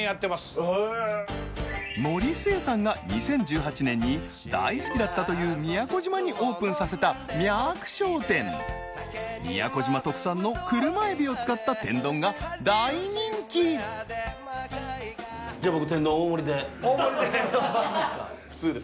森末さんが２０１８年に大好きだったという宮古島にオープンさせたみゃく商店宮古島特産のクルマエビを使った天丼が大人気普通です